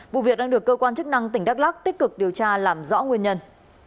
vụ việc đang được cơ quan chức năng tỉnh đắk lắc tích cực điều tra làm rõ nguyên nhân